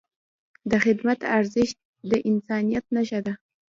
د خدمت ارزښت د انسانیت نښه ده.